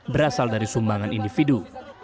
berasal dari sumbangan individu